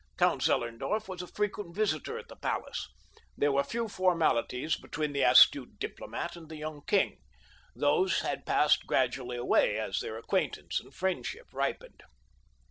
Count Zellerndorf was a frequent visitor at the palace. There were few formalities between this astute diplomat and the young king; those had passed gradually away as their acquaintance and friendship ripened.